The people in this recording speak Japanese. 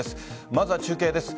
まずは中継です。